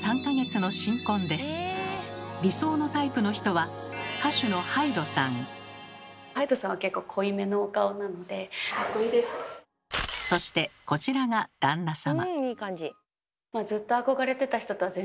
理想のタイプの人は歌手のそしてこちらが旦那様。